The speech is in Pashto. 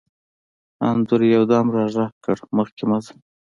انځور یو دم را غږ کړ: مخکې مه ځه.